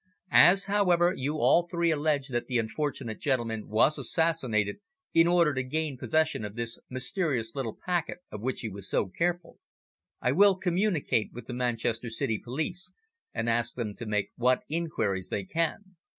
As, however, you all three allege that the unfortunate gentleman was assassinated in order to gain possession of this mysterious little packet of which he was so careful, I will communicate with the Manchester City police and ask them to make what inquiries they can.